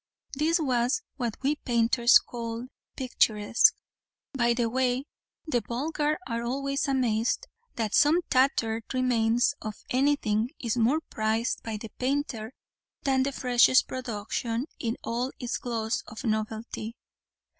This was what we painters call picturesque. By the way, the vulgar are always amazed that some tattered remains of anything is more prized by the painter than the freshest production in all its gloss of novelty.